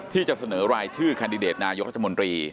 ที่จะเสนอรายชื่อแคนดิเดตนายกรัฐมนตรี